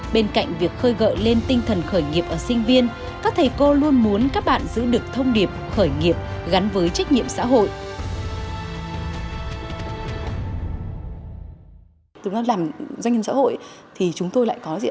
bên cạnh việc khơi gợi lên tinh thần khởi nghiệp ở sinh viên các thầy cô luôn muốn các bạn giữ được thông điệp khởi nghiệp gắn với trách nhiệm xã hội